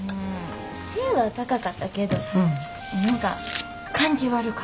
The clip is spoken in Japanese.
背ぇは高かったけど何か感じ悪かった。